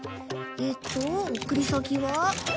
えっと送り先は。